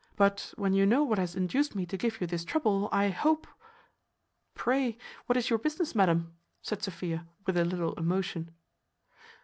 But when you know what has induced me to give you this trouble, I hope " "Pray, what is your business, madam?" said Sophia, with a little emotion.